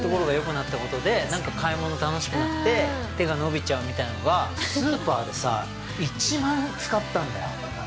なったことで何か買い物楽しくなって手が伸びちゃうみたいなのがスーパーでさ１万使ったんだよ